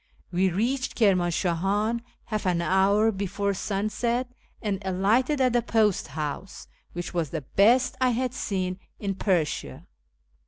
"We reached Kirmanshahan half an hour before sunset, and alighted at the post house, which was the best I had seen in Persia.